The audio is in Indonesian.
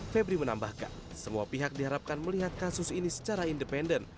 febri menambahkan semua pihak diharapkan melihat kasus ini secara independen